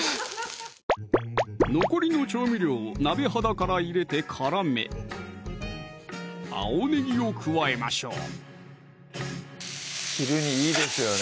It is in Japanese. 残りの調味料を鍋肌から入れて絡め青ねぎを加えましょう昼にいいですよね